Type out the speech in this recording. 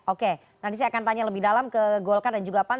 oke nanti saya akan tanya lebih dalam ke golkar dan juga pan